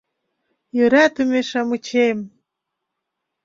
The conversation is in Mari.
Йӧратыме-шамычем